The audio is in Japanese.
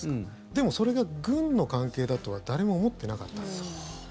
でも、それが軍の関係だとは誰も思ってなかった。